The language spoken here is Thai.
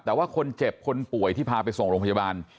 แต่ว่าคนเจ็บคนป่วยที่พาไปส่งโรงพยาบาล